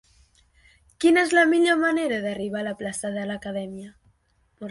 Quina és la millor manera d'arribar a la plaça de l'Acadèmia?